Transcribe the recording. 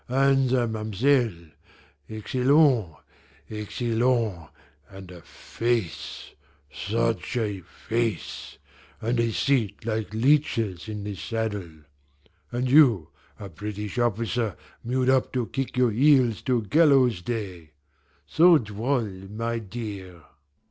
And the ma'm'selle excellent, excellent; and a face, such a face, and a seat like leeches in the saddle. And you a British officer mewed up to kick your heels till gallows day! So droll, my dear!"